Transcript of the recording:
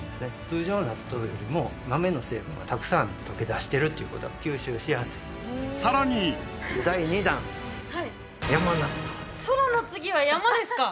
通常の納豆よりも豆の成分がたくさん溶け出してるっていうことは吸収しやすいさらに「そら」の次は「やま」ですか！